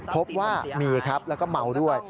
พบว่ามีครับแล้วก็เมาด้วย